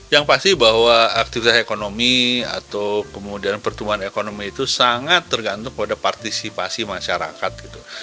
yang pasti bahwa aktivitas ekonomi atau kemudian pertumbuhan ekonomi itu sangat tergantung pada partisipasi masyarakat gitu